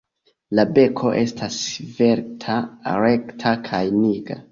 La beko estas svelta, rekta kaj nigra.